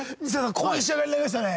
こういう仕上がりになりましたね。